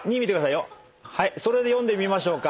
それで読んでみましょうか。